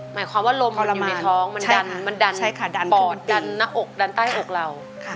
หมายความว่าลมอยู่ในท้องมันดันปอดดันในอกดันใต้อกเรา